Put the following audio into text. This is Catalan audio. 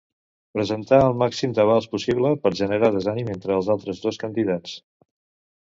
Presentar el màxim d'avals possible per general desànim en els altres dos candidats.